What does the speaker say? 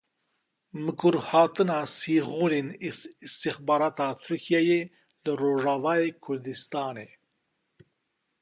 Mikurhatina sîxurên Îstixbarata Tirkiyeyê li Rojavayê Kurdistanê.